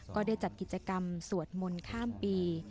ก็ได้จัดกิจกรรมสวดมนต์ข้ามปี